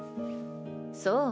そう？